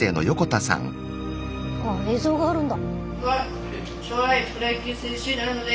映像があるんだ。